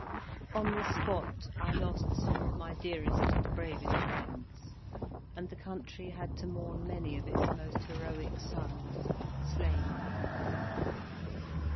On this spot I lost some of my dearest and bravest friends, and the country had to mourn many of its most heroic sons slain here.